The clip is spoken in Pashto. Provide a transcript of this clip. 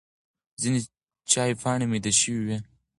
ځینې چای پاڼې مېده شوې وي.